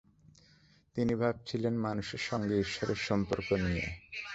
তিনি ভাবছিলেন, মানুষের সঙ্গে ঈশ্বরের সম্পর্ক নিয়ে।